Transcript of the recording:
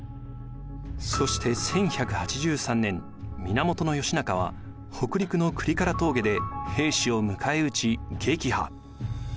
そして１１８３年源義仲は北陸の倶利伽羅峠で平氏を迎え撃ち撃破。